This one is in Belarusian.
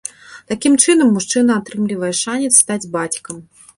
Такім чынам мужчына атрымлівае шанец стаць бацькам.